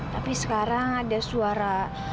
tapi sekarang ada suara